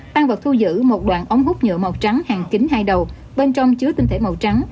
tăng vật thu giữ một đoạn ống hút nhựa màu trắng hàng kính hai đầu bên trong chứa tinh thể màu trắng